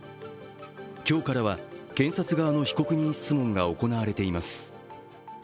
今日からは警察側の被告人質問が行われています。